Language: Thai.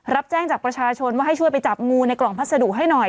รับแจ้งจากประชาชนว่าให้ช่วยไปจับงูในกล่องพัสดุให้หน่อย